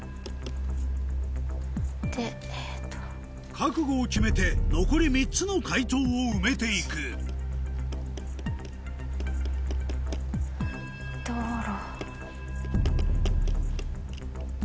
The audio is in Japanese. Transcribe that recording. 覚悟を決めて残り３つの解答を埋めていく「道路」。